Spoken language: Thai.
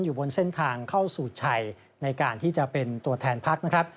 อยู่บนเส้นทางเข้าสู่ชัยในการที่จะเป็นตัวแทนพักนะครับ